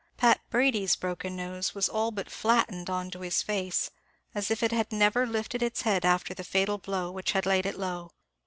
Pat Brady's broken nose was all but flattened on to his face, as if it had never lifted its head after the fatal blow which had laid it low.